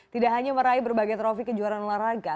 tidak hanya meraih berbagai trofi kejuaraan olahraga